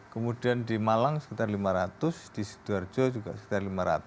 kemudian di malang sekitar lima ratus di sidoarjo juga sekitar lima ratus